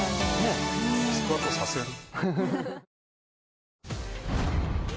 スクワットさせる？